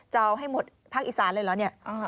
จะเอาให้หมดภาคอีสานเลยเหรอเนี่ย